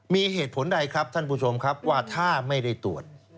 มีเหตุผลใดครับท่านผู้ชมครับว่าถ้าไม่ได้ตรวจ